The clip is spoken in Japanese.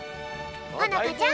ほのかちゃん